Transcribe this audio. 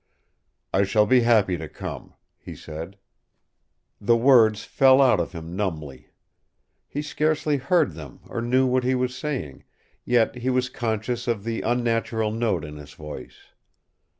"I shall be happy to come," he said. The words fell out of him numbly. He scarcely heard them or knew what he was saying, yet he was conscious of the unnatural note in his voice.